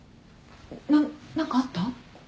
なっ何かあった？